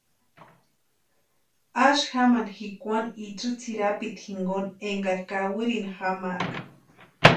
Asï jamani jikwani itsï tsʼïrapiti jinkoni enkari kawirini jawaka.